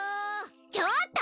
ちょっと！